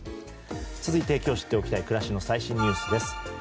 続いて今日知っておきたい暮らしの最新ニュースです。